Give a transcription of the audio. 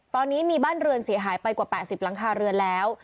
ตอนนี้มีบ้านเรือนเสียหายไปกว่า๘๐หลังคาเรือนแล้ว